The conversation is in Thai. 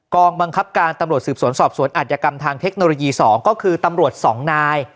กองบังคับการตำรวจสืบสวนสอบสวนอัธยกรรมทางเทคโนโลยี๒ก็คือตำรวจ๒นาย